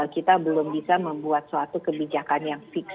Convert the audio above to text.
kita belum bisa membuat suatu kebijakan yang fix